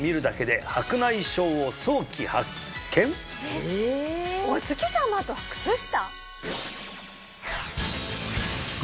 えっお月様と靴下？